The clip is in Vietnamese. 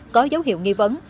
có dấu hiệu nghi vấn